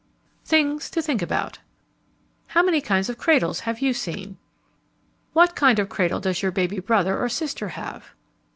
THINGS TO THINK ABOUT How many kinds of cradles have you seen? What kind of a cradle does your baby brother or sister have?